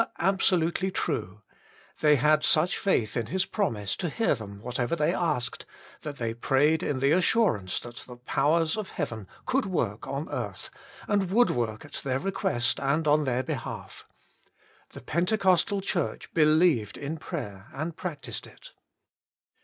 absolutely true ; they had such faith in His promise to hear them whatever they asked that they prayed in the assurance that the powers of heaven could work on earth, and would work at their request and on their behalf. The Pentecostal Church believed in prayer, and practised it.